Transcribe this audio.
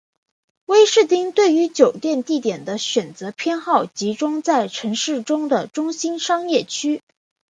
威士汀对于酒店地点的选择偏好集中在城市中的中心商业区。